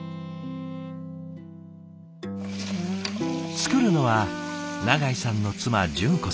作るのは永井さんの妻淳子さん。